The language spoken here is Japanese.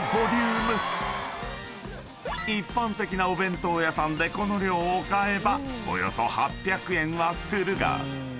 ［一般的なお弁当屋さんでこの量を買えばおよそ８００円はするが］